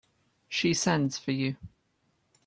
She sends for you.